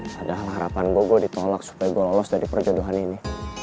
padahal harapan gue gue ditolak supaya gue lolos dari perjodohan ini